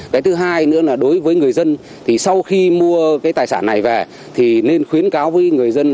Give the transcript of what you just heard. cái thứ hai nữa là đối với người dân thì sau khi mua cái tài sản này về thì nên khuyến cáo với người dân